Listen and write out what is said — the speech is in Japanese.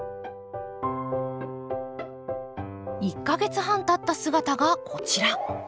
１か月半たった姿がこちら。